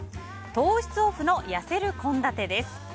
糖質オフのやせる献立です。